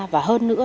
và hơn nữa